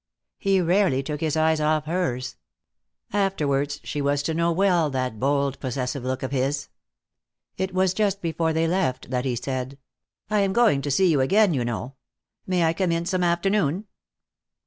He rarely took his eyes off hers. Afterwards she was to know well that bold possessive look of his. It was just before they left that he said: "I am going to see you again, you know. May I come in some afternoon?"